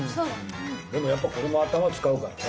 でもやっぱこれも頭使うからね。